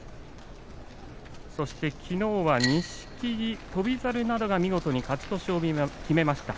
そして、きのうは錦木、翔猿などが見事に勝ち越しを決めました。